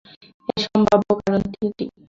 এর সম্ভাব্য কারণ তিনটি।